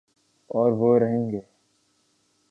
اوروہ رہیں گے۔